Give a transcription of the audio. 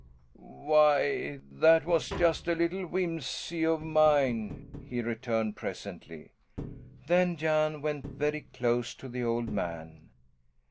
"Why, that was just a little whimsey of mine," he returned presently. Then Jan went very close to the old man.